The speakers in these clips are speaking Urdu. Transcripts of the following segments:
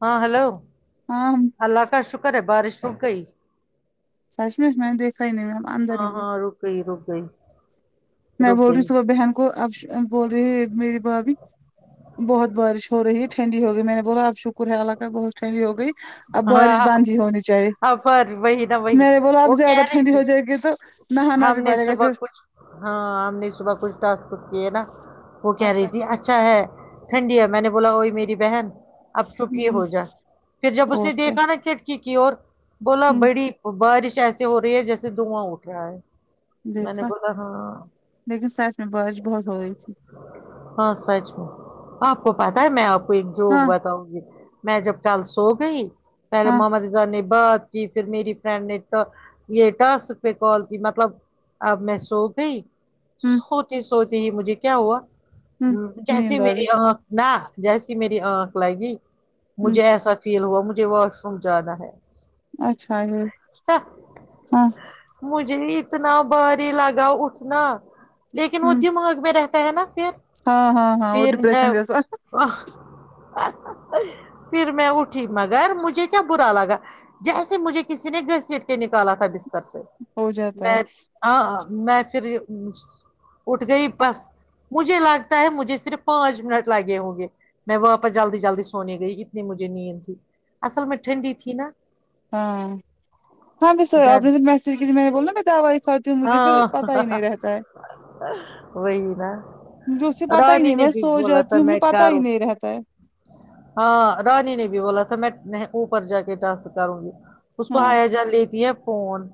ہاں ہیلو ہام اللہ کا شکر ہے بارش رک گئی سچمش میں دیکھا ہی نہیں میں اندر ہاں ہی ہے ہاں رک گئی رک گئی میں رک بول رہی گئی ہوں صبح بہن کو اب بول رہی ہےایک میری بھابھی بہت بارش ہو رہی ہے ٹھنڈی ہو گئی میں نے بولا اب شکر ہے اللہ کا بہت ٹھنڈی ہو گئی اب بارش ہاں بند ہی ہونی چاہیے اب پر وہی نہ وہی میں نے بولا اب وہ زیادہ کہہ رہی ٹھنڈی تھی ہو جائے گی تو نہانا ہم بھی نے پڑے گا صبح کچھ ہاں ہم نے صبح کچھ ٹاسکس کیے نا وہ کہہ رہی پھر تھی اچھا ہے ٹھنڈی ہے میں نے بولا وہی میری بہن اب چپ یہ ہمم ہو جا پھر جب اس اور نے کیا دیکھا نا کھڑکی کی اور بولا ہمم بڑی بارش ایسی ہو رہی ہے جیسے دھواں اٹھ رہا ہے میں نے دیکھا بولا ہاں لیکن سچ میں بارش بہت ہو رہی تھی ہاں سچ میں آپ کو پتا ہے میں آپ کو ایک جوک ہاں بتاؤں گی میں جب کل سو گئی پہلے ہاں ماما دے نے بات کی پھر میری فرینڈ نے ٹا یہ ٹاسک پہ کال کی مطلب اب میں سو گئی ہمم سوتی سوتی مجھے کیا ہوا ہمم جیسی نیند آ گئی میری آنکھ نہ جیسی میری آنکھ لگی ہمم مجھے ایسا فیل ہوا مجھے واش روم جانا ہے اچھا یہ ہاں مجھے اتنا بہاری لگا اٹھنا لیکن وہ ہمم دماغ میں رہتا ہے نا پھر ہاں ہاں ہاں وہ پھر ڈپرشن جیسا ہے پھر میں اٹھی مگر مجھے کیا برا لگا جیسے مجھے کسی نے گھسیٹ کے نکالا تھا بستر سے ہو جاتا ہے میں ہاں میں پھر اٹھ گئی بس مجھے لگتا ہے مجھے صرف پانچ منٹ لگے ہوں گے میں واپس جلدی جلدی سونے گئی اتنی مجھے نیند تھی اصل میں ٹھنڈی تھی نا ہاں ہاں ب سر آپ گھر نے میسج کیج میں نے بول ن میں دوائی کتی ہوں مجھے پھر پتا ہاں ہی نہیں رہتا ہے وہی نا مجھے اس سے پتا ہی روانی نہیں نے میں بھی سو بولا جاتی تھا ہوں مجھے میں پتا ہی کہاروں نہیں رہتا ہے ہاں رانی نے بھی بولا تھا میں نہیں اوپر جا کے ڈانس کروں گی اس کو ہاں ہیا جان لیتی ہے فون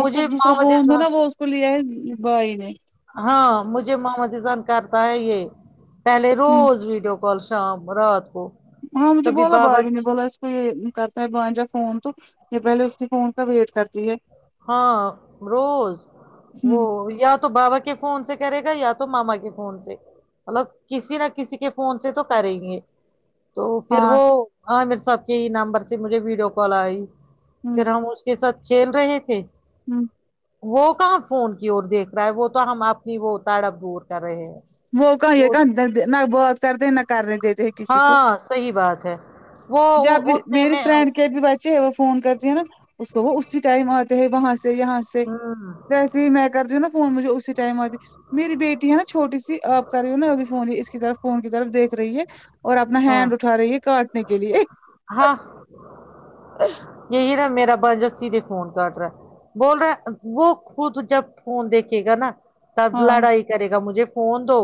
مجھے ماما جان میں نا وہ اس کو لیا ہے بائی نے ہاں مجھے محمدزن کرتا ہے یہ پہلے ہوں روز ویڈیو کال شام رات کو ہاں مجھے کبھی بولا بابا بھائیو نے کی- بولا یہ کرتا ہے بنجا فون تو یہ پہلے اس کے فون کا ویٹ کرتی ہے ہاں روز وہ ہوں یا تو بابا کے فون سے کرے گا یا تو ماما کے فون سے مطلب کسی نہ کسی کے فون سے تو کریں گے تو پھر ہاں وہ ہاں آمیر صاحب کے ہی نمبر سے مجھے ویڈیو کال آئی ہوں پھر ہم اس کے ساتھ کھیل رہے تھے امم وہ کہاں فون کی اور دیکھ رہا ہے وہ تو ہم اپنی وہ تڑپ دور کر رہے ہیں موقع یہ وہ کہ نہ بات کرتے نہ کرنے دیتے کسی کو ہاں [inaudible] جب اتنے میری میں فرینڈ کے بھی بچے ہیں وہ فون کرتی ہے نا اس کو وہ اسی ٹائم آتے ہے وہاں سے یہاں سے ہاں ویسے ہی میں کرتی ہوں نا فون مجھے اسی ٹائم آتی میری بیٹی ہے نا چھوٹی سی آپ کر رہی ہو نا ابھی فون اس کی طرف فون کی طرف دیکھ رہی ہے اور اپنا ہاں ہینڈ اٹھا رہی ہے کاٹنے کے لیے ہاں یہی نا میرا بھانجا سیدھے فون کاٹ رہا ہے بول رہے وہ خود جب فون دیکھے گا نا تب ہاں لڑائی کرے گا مجھے فون دو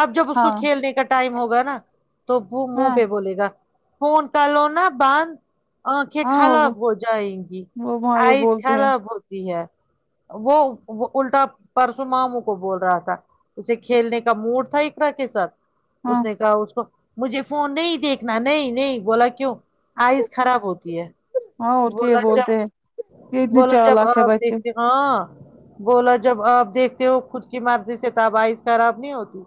اب جب اس کو ہاں کھیلنے کا ٹائم ہوگا نا تو وہ منہ ہاں پہ بولے گا فون کلونا باند آنکھیں ہاں خراب وہ ہو جائیں گی وہ وہاں یہ آئس بولتے ہیں خراب ہوتی ہے وہ وہ الٹا پرسوں ماموں کو بول رہا تھا اسے کھیلنے کا موڈ تھا اقرا کے ساتھ اس ہاں نے کہا اس کو مجھے فون نہیں دیکھ نہیں نہیں بولا کیوں آئز خراب ہوتی ہے ہاں اور یہ بولا کیا بولتے ہیں یہ اتنے بولا جب چالاک ہے آپ بچے دیکھتے ہو ہاں بولا جب آپ دیکھتے ہو خود کی مرضی سے تب آئز خراب نہیں ہوتی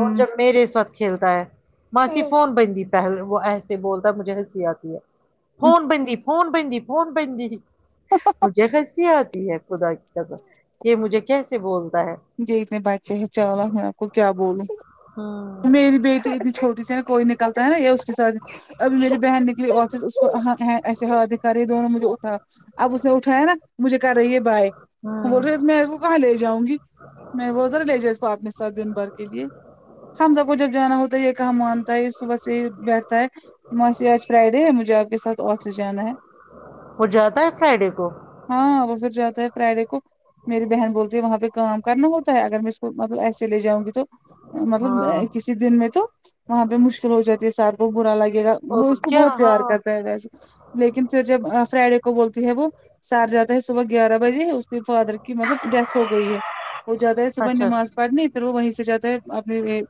اور جب میرے ساتھ کھیلتا ہے ماسی فون بندی پہلے وہ ایسے بولتا مجھے ہنسی آتی ہے فون بندی فون بندی فون بندی مجھے ہنسی آتی ہے خدا کی کسم یہ مجھے کیسے بولتا ہے یہ اتنے بچے ہے چالو میں آپ کو کیا بولوں میری بیٹی اتنی چھوٹی سی کوئی نکلتا ہے یہ اس کے ساتھ ابھی میری بہن نکلی آفس اس کو ایسے ہاتھ دکھا رہی دونوں مجھے اٹھا اب اس نے اٹھایا نا مجھے کر رہی ہے بائے بول رہے میں اس کو کہاں لے جاؤں گی میں وہ ذرا لے جا اس کو اپنے ساتھ دن بھر کے لیے ہم سب کو جب جانا ہوتا ہے یہ کہ مانتا ہے صبح سے ہی بیٹھتا ہے ماں سی آج فرائیڈے ہے مجھے آپ کے ساتھ آفس جانا ہے وہ جاتا ہے فرائیڈے کو ہاں وہ پھر جاتا ہے فرائیڈے کو میری بہن بولتی ہے وہاں پہ کام کرنا ہوتا ہے اگر میں اس کو مطلب ایسے لے جاؤں گی تو مطلب ہاں کسی دن میں تو وہاں پہ مشکل ہو جاتی ہے سار کو برا لگے گا وہ اور اس کو کیا بہت ہاں پیار کرتا ہے ویسے لیکن پھر جب آ فرائیڈے کو بولتی ہے وہ سار جاتا ہے صبح گیارہ بجے اس کے فادر کی مطلب ڈیتھ ہو گئی ہے وہ جاتا ہے صبح اچھا نماز پاٹنے پھر وہ وہیں سے جاتا ہے اپنے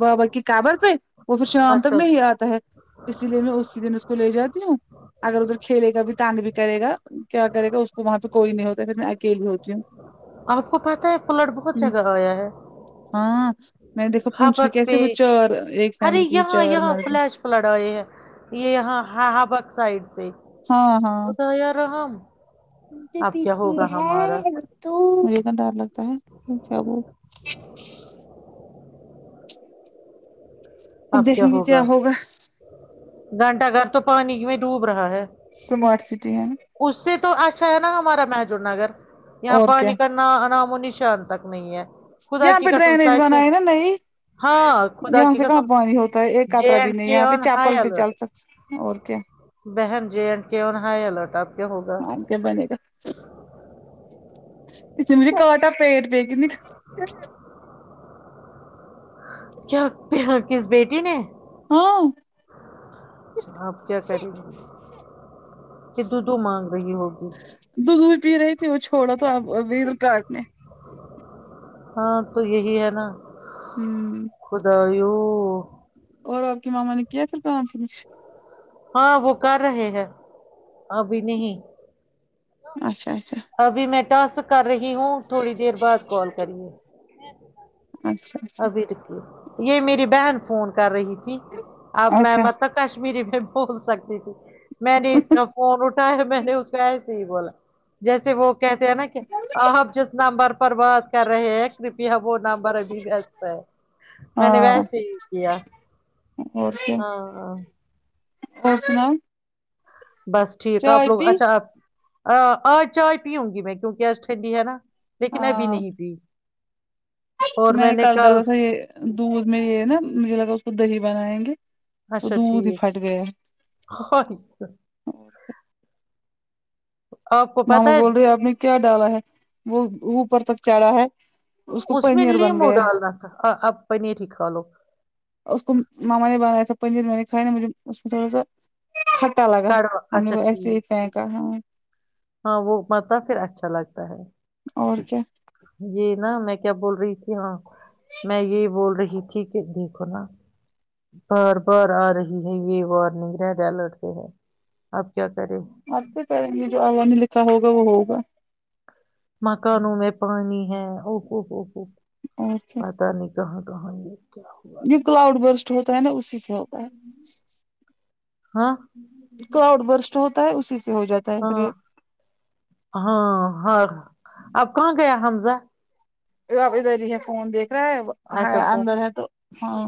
بابر کی کابر پہ وہ تو شام تک اچھا نہیں آتا ہے اسی لیے میں اسی دن اس کو لے جاتی ہوں اگر ادھر کھیلے کا بھی تانگ بھی کرے گا کیا کرے گا اس کو وہاں پہ کوئی نہیں ہوتا ہے پھر میں اکیلی ہوتی ہوں آپ کو پتہ ہے فلڈ بہت جگہ آیا ہے ہاں میں نے دیکھا پونچھ میں ہابک کیسے پہ وہ چار ایک ارے فیملی کے یہاں چار یہاں مرد فلیش فلڈ آںی ہیں یہ یہاں ہہابک سائڈ سے ہاں بتا یارو ہم یہ پیتی ہے دودھ مجھے تو ڈر لگتا ہے اب کیا ہوگا گھنٹہ گھر تو پانی میں ڈوب رہا ہے سمارٹ سٹی ہے اس سے تو اچھا ہے نا ہمارا محجور نگر یہاں اور کیا پانی کا نہ نام و نشان تک نہیں ہے خدا یہاں کی پہ قسم ڈرینیج سچ ہے۔ بناائے نا نئی ہاں خدا یہاں کی سے کہاں قسم پانی ہوتی ایک جے خطرا بھی اینڈ نہیں کے ہے پھر آن ہائی چاپل بھی الرٹ چل سک اور کیا بہن جیٹ کے اور ہائی الرٹ اپ کے ہوگا کے بنے گا سوجی کا اٹا پیٹ پے ک کیا پہ یا کس بیٹی نے ہاں اپ کیا کریں کت تو مانگ رہی ہوگی دودھ پی رہی تھی وہ چھوڑا تو اب ابھی ادھر کاٹنے ہاں تو یہی ہے نا ہوں خداوں اور اپ کی ماما نے کیا پھر کم فنش ہاں وہ کر رہے ہیں ابھی نہیں اچھا اچھا ابھی میں ٹس کر رہی ہوں تھوڑی دیر بعد کال کرتی اچھا اچھا ابھی رٹک یہ میری بہن فون کر رہی تھی اب میں اچھا مت تو کشمیری میں بول سکتی تھی میں نے اس کا فون اٹھایا میں نے اس کو ایسے ہی بولا جیسے وہ کہتے ہیں نا آپ جس نمبر پر بات کر رہے ہیں کرپیا وہ نمبر ابھی واست ہے میں نے ہاں ویسے ہی کیا اور کیا ہاں ہاں اور سناؤ بس ٹھیک آپ چائے لوگ پی اچھا آپ اج چائے پیوں گی میں کیوکہ اج ٹھنڈی ہے نا لیکن ابھی ہاں نہیں پی میں نے کل ڈالا تھا یہ دودھ میں یہ نا مجھے لگا اس کو دہی بنائیں گے وہ اچھا دودھ ہی ٹھیک پھٹ گیا ہے۔ اوہے آپ کو ماما پتا بول ہے رہے اپ نے کیا ڈالا ہے وہ اوپر تک چڑھا ہے کو اس میں پنیر بن لیمو گیا ہے ڈالنا تھا اب پنیر ہی کھا لو اس کو ماما نے بنایا تھا پنیر میں کھائے اس تھوڑا سا کھٹا لگا کڑوا ہم نے اچھا وہ ایسے ٹھیک ہی ٹھیک پھینکا ہے ہاں وہ پتاب پھر اچھا لگتا ہے اور کیا یہ نا میں کیا بول رہی تھی ہاں میں یہ بول رہی تھی کہ دیکھو نا بار بار ا رہی ہے یہ وارنگ رہٹتے ہیں اپ کیا کرے آپ کے کریں گے جو اللہ نہ لکھا ہوگا وہ ہوگا مکانوں میں پانی ہے اووو اور پتا نہیں کہاں کہاں یہ کیا ہوا جوی کلاؤڈ برسٹ ہوتا ہے نا اسی سے ہوتا ہے ہاں کراؤڈ برسٹ ہوتا ہے اسی سے ہو جاتا ہے پھر ہاں ہاں ہاں اب کہاں گیا حمزہ اب ادھر ہی ہے فون دیکھ رہا اچھا ہے پو- اندر ہے تو ہاں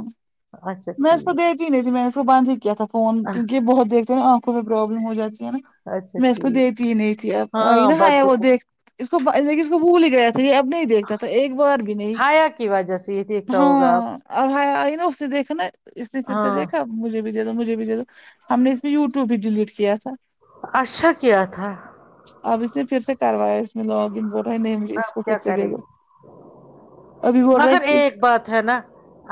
اچھا میں اس کو ٹھیک دیتی نہیں تھی میں نے اس کو بند ہی کیا تھا فون کیونکہ بہت دھتے نا آنکھوں میں پرابلم ہو جاتی ہے نا اچھا میں اس کو ٹھیک دیتی ہی نہیں تھی اب ہاں نا حیا بچوں وہ کو دیکھ اس کو دیک اس کو بھول ہی گیا تھا اب نہیں دیکھتا تو ایک بار بھی نہیں ہایا کی وجہ سے یہ دیکھتا ہوگا آپ ہاں اب حیا آئی نا اسے دیکھنےاس نے پھر سے ہاں دیکھا مجھے بھی دے دو مجھے بھی دے دو ہم نے اس میں یوٹیوب بھی ڈیلیٹ کیا تھا اچھا کیا تھا اب اس نے پھر سے کروایا میں لاگن بول رہا نہیں مجھ اس کو آپ پھر کیا سے دے کریں گا گے ابھی بول رہے مگر ہیں ایک بات ہے نا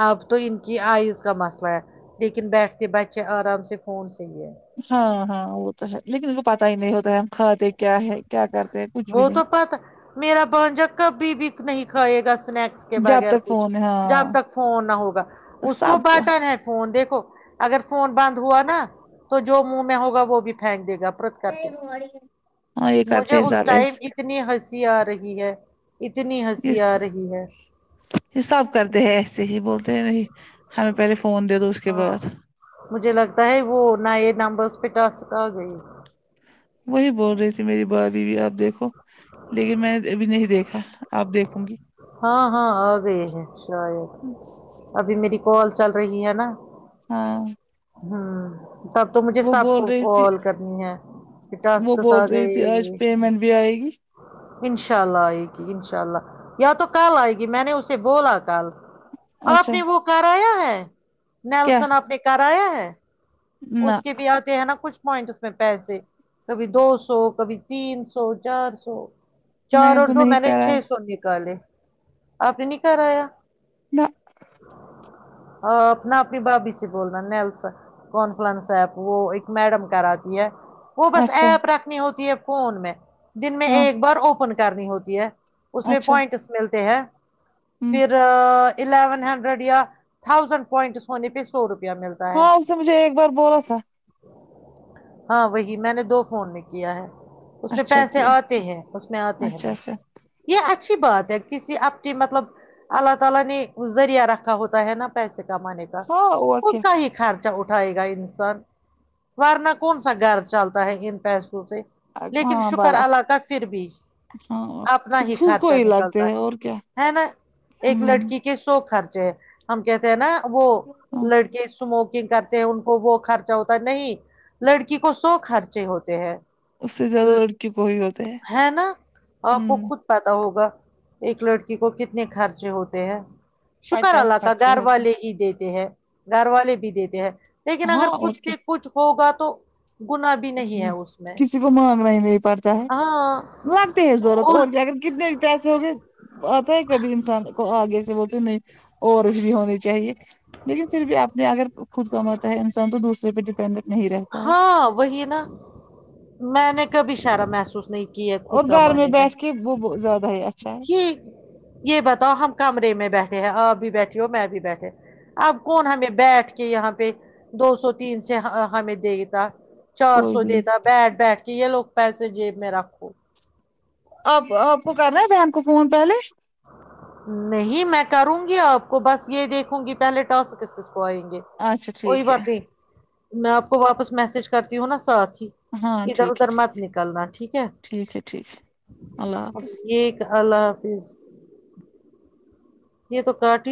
اب تو ان کی آئز کا مسئلہ ہے لیکن بیٹھتے بچے آرام سے فون سے ہی ہے ہاں ہاں وہ تو ہے لیکن ان کو پتا ہی نہیں ہوتا ہے ہم کھاتے کیا ہے کیا کرتے کچھ بھی وہ نہیں تو پتا میرا بانجا کبھی بھی نہیں کھائے گا سنیکس کے جب بغیر تک کچھ فون ہے۔ جب ہاں تک فون نہ ہوگا اس کو بٹر ہے فون دیکھو اگر فون بند ہوا نا تو جو منہ میں ہوگا وہ بھی پھینک دے گا پر ہاں یہ کرتے ہیں اس سب ایس ٹائم اتنی ہنسی آ رہی ہے اتنی ہنسی آ یس رہی ہے یہ سب کرتے ہیں ایسے ہی بولتے ہیں نہیں ہمیں پہلے فون دے دو اس کے ہاں بعد مجھے لگتا ہے وہ نئے نمبرس پہ ٹاسک آ گئی وہی بول رہی تھی میری بھا بی آپ دیکھو لیکن میں ابھی نہیں دیکھا اب دیکھوں گی ہاں ہاں آ گئے ہیں شاید ابھی میری کال چل رہی ہے نا ہاں ہوں تب تو مجھے وہ سب بول کو رہی تھی کال کرنی ہے کہ وہ ٹاسکس بول آ رہی تھی آج گئی پیمنٹ بھی آئے گی انشاء اللہ آئیگی انشاء اللہ یا تو کل آئے گی میں نے اسے بولا کل اور آپ اچھا نے وہ کرایا ہے کیا نیلسن آپ نے کرایا ہے نہ اس کے بھی آتے ہیں نا کچھ پوائنٹ اس میں پیسے کبھی دو سو کبھی تین سو چار سو میں چار اور تو دو نہیں میں نے چھ کرا ہے سو نکالے آپ نے ن کرایا نہ اور اپنا اپنی بابھی سے بولنا نیلسن کانفرنس ایپ ہیں وہ ایک میڈم کراتی ہے وہ بس اچھا ایپ رکھ ہوتی ہے فون میں دن میں ہاں ایک بار اوپن کرنی ہوتی ہے اس پہ اچھا پوائنٹس ملتے ہیں ہوں پھر الیون ہنڈریڈ یا تھاؤزنڈ پوائنٹس ہونے پہ سو روپہ ملتا ہے ہاں اس نے مجھے ایک بار بولا تھا ہاں وہی میں نے دو فون میں کیا ہے اس میں اچھا پیسے کیا آتے ہیں اس میں آتے ہیں اچھا پیسے اچھا یہ اچھی بات ہے کسی اپنے مطلب اللہ تعالی نے ذریعہ رکھا ہوتا ہے نا پیسے کمانے کا ہاں اور خود کیا کا ہی خرچہ اٹھ اٹھائے گا انسان ورنہ کون سا گھر چلتا ہے ان پیسوں سے لیکن ہاں شکر بڑا اللہ کا پھر بھی ہاں اپنا ہی خود کو خرچہ لگتے نکلتا ہیں اور کیا ہے ہے نا ایک ہوں لڑکی کے سو خرچے ہے ہم کہتے ہیں نا وہ ہاں لڑکے اسموکنگ کر ان کو وہ خرچہ ہوتا ہے نہیں لڑکی کو سو خرچے ہوتے ہیں اس سے زیادہ ہ لڑکی کو ہی ہوتے ہیں ہے نہ آپکو ہوں خود پتا ہوگا ایک لڑکی کو کتنے خرچے ہوتے ہیں شکر پچاس اللہ کا خرچے گھر ہوتے والے ہی دیتے ہیں گھر والے بھی دیتے ہیں لیکن ہیں ہاں اگر اور خود سے کچھ ہوگا تو گنا بھی نہیں ہے ہ اس میں کسی کو مانگنا ہی نہیں پڑتا ہے ہاں لگتے ہیں ضورت اور کیا اگر کتنے بھی پیسے ہو گے آتا ہے کبھی انسان کو آگے سے وہ تو نہیں اور پھرے ہونی چاہیے لیکن پھر بھی آپ نے اگر خود کماتا ہے انسان تو دوسرے پہ ڈیپینڈنٹ نہیں رہتا ہے ہاں وہی نا میں نے کبھی شرا محسوس نہیں کیا ہے خود اور گھر کمانے میں بیٹھ کے وہ زیادہ ہی اچھا ہے یہ بتاؤ ہم کمرے میں بیٹھے ہیں آپ بھی بیٹھی ہو میں بھی بیٹھے اب کون ہمیں بیٹھ کے یہاں پہ دو سو تین سے ہمیں دے دیتا چار کوئی سو بھی نہیں دیتا بیٹھ بیٹھ کے یہ لوگ پیسے جیب میں رکھو آپ آپ کو کرنا ہے بہن کو فون پہلے نہیں میں کروں گی آپ کو بس یہ دیکھوں گی پہلے تسکس کیسس کو آئیں گے اچھا کوئی ٹھیک ہے بات نہیں میں آپ کو واپس میسج کرتی ہوں نا ساتھ ہی ہاں ادھر ٹھیک ہے ادھر ٹھیک مت نکلنا ٹھیک ہے ٹھیک ہے ٹھیک ہے اللہ اب حافظ یہ اللہ حافظ یہ تو کاٹی